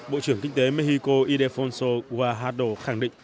bộ trưởng kinh tế mexico idefonso guajardo khẳng định